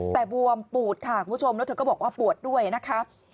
แต่บวมปูดค่ะคุณผู้ชมแล้วเธอก็บอกว่าปวดด้วยนะคะ